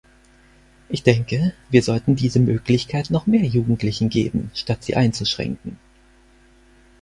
Ich denke, wir sollten diese Möglichkeit noch mehr Jugendlichen geben, statt sie einzuschränken.